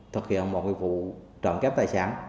thực hiện một vụ trọn kép tài sản